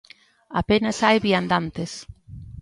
Apenas hai viandantes.